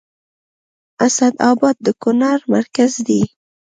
اسداباد د کونړ مرکز دی